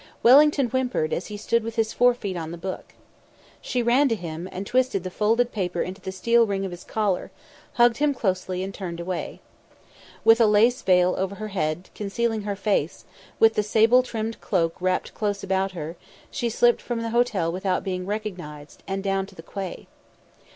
Wellington whimpered as he stood with his fore feet on the book. She ran to him and twisted the folded paper into the steel ring of his collar, hugged him closely, and turned away. With a lace veil over her head, concealing her face, with the sable trimmed cloak wrapped close about her, she slipped from the hotel without being recognised, and down to the quay.